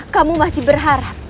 kamu masih berharap